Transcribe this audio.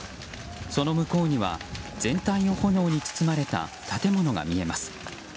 その向こうには全体を炎に包まれた建物が見えます。